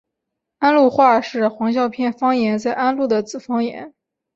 安陆话是黄孝片方言在安陆的子方言。